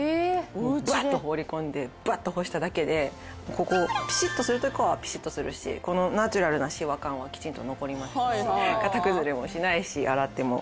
ブワッと放り込んでバッと干しただけでここピシッとするところはピシッとするしこのナチュラルなしわ感はきちんと残りましたし型崩れもしないし洗っても。